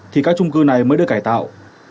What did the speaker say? thì các trung cư này mới được cải tạo